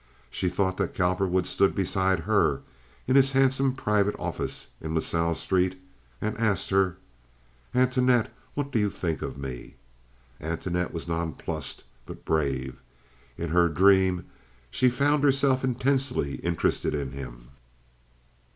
She thought that Cowperwood stood beside her in his handsome private office in La Salle Street and asked her: "Antoinette, what do you think of me?" Antoinette was nonplussed, but brave. In her dream she found herself intensely interested in him.